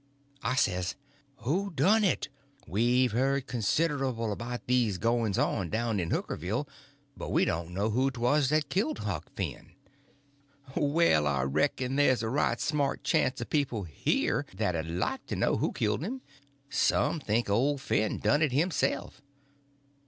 I says: "Who done it? We've heard considerable about these goings on down in Hookerville, but we don't know who 'twas that killed Huck Finn." "Well, I reckon there's a right smart chance of people here that'd like to know who killed him. Some think old Finn done it himself."